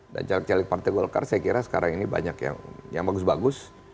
dan caleg caleg partai golkar saya kira sekarang ini banyak yang bagus bagus